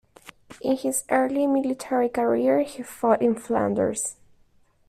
In his early military career, he fought in Flanders.